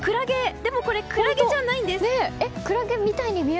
でも、これクラゲじゃないんです。